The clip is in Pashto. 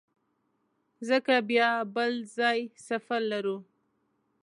ځکه بیا بل ځای سفر لرو.